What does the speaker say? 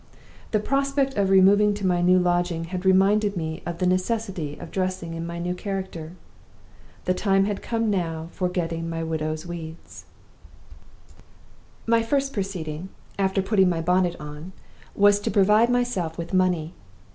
The prospect of removing to my new lodging had reminded me of the necessity of dressing in my new character. The time had come now for getting my widow's weeds. "My first proceeding, after putting my bonnet on, was to provide myself with money.